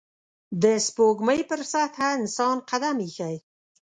د سپوږمۍ پر سطحه انسان قدم ایښی